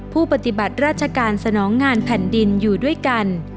ผู้ปฏิบัติราชการสนองงานแผ่นดินอยู่ด้วยกัน